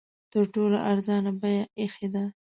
تر ټولو ارزانه بیه ایښې ده.